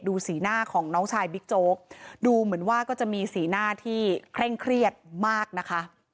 สีหน้าของน้องชายบิ๊กโจ๊กดูเหมือนว่าก็จะมีสีหน้าที่เคร่งเครียดมากนะคะ